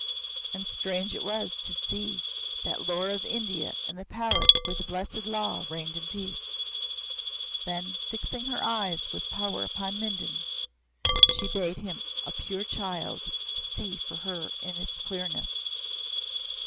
And strange it was to see that lore of India in the palace where the Blessed Law reigned in peace. Then, fixing her eyes with power upon Mindon, she bade him, a pure child, see for her in its clearness.